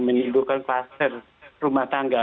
menimbulkan kluster rumah tangga